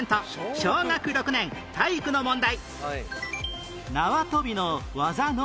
小学６年体育の問題